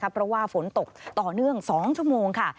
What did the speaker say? เพราะว่าฝนตกต่อเนื่อง๒ชั่วโมงค่ะ